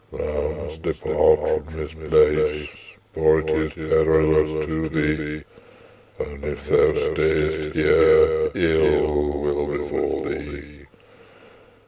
Thou must depart from this place; for it is perilous to thee, and if thou stayest here, ill will befall thee.